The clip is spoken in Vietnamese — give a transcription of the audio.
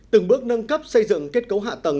từng bước nâng cấp xây dựng kết cấu hạ tầng